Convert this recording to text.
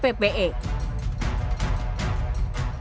beragam pertanyaan pembelian saham